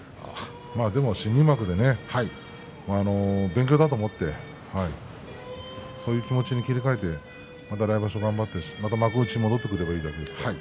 新入幕で勉強だと思ってそういう気持ちに切り替えて来場所は頑張って幕内戻ってくればいいだけですからね。